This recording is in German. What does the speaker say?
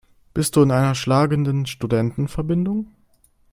Bist du in einer schlagenden Studentenverbindung?